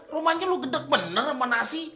rumahnya lo gedek bener sama nasi